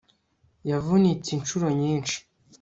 yavunitse inshuro nyinshi